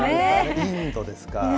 インドですか。